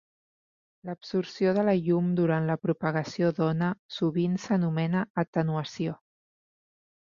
L’absorció de la llum durant la propagació d'ona sovint s’anomena atenuació.